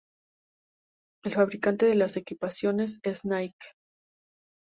El fabricante de las equipaciones es Nike.